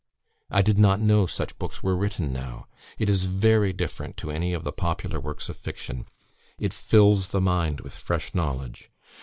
"I did not know such books were written now. It is very different to any of the popular works of fiction: it fills the mind with fresh knowledge.